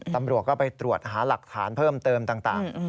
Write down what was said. ตำรวจก็ไปตรวจหาหลักฐานเพิ่มเติมต่าง